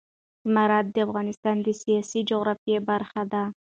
زمرد د افغانستان د سیاسي جغرافیه برخه ده.